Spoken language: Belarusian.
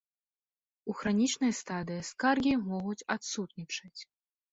У хранічнай стадыі скаргі могуць адсутнічаць.